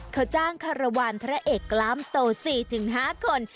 เขาจ้างคารวาลพระเอกกล้ามโต๔๕คน